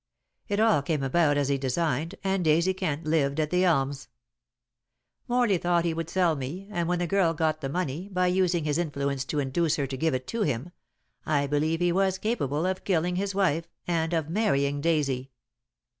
It all came about as he designed, and Daisy Kent lived at The Elms. Morley thought he would sell me, and when the girl got the money, by using his influence to induce her to give it to him, I believe he was capable of killing his wife and of marrying Daisy.